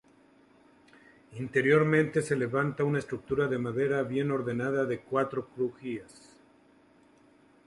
Interiormente se levanta una estructura de madera bien ordenada de cuatro crujías.